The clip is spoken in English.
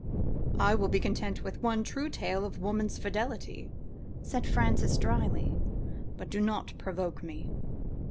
""I will be content with one true tale of woman's fidelity," said Francis, drily; "but do not provoke me.